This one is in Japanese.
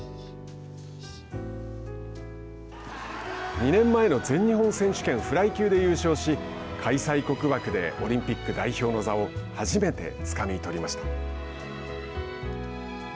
２年前の全日本選手権フライ級で優勝し開催国枠でオリンピック代表の座を初めてつかみ取りました。